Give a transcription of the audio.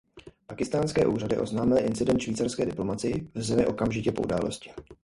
Pákistánské úřady oznámily incident švýcarské diplomacii v zemi okamžitě po události.